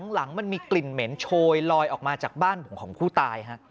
หลังมันมีกลิ่นเหม็นโชยลอยออกมาจากบ้านผมของผู้ตาย